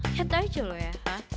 lihat aja loh ya